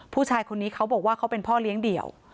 ผู้ชายคนนี้เขาบอกว่าเขาเป็นพ่อเลี้ยงเดี่ยว